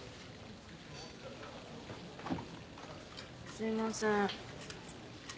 すいません。